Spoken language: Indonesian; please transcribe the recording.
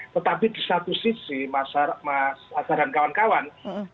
tetapi di satu sisi masyarakat dan kawan kawan